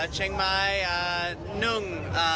เชียงใหม่นึ่ง